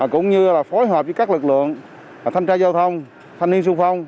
cũng như phối hợp với các lực lượng thanh tra giao thông thanh niên xung phong